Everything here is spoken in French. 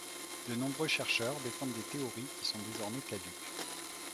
De nombreux chercheurs défendent des théories qui sont désormais caduques.